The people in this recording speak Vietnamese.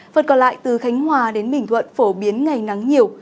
phần còn lại từ khánh hòa đến bình thuận phổ biến ngày nắng nhiều